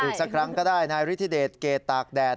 อีกสักครั้งก็ได้นายฤทธิเดชเกรดตากแดด